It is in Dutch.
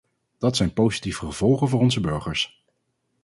Dat zijn positieve gevolgen voor onze burgers.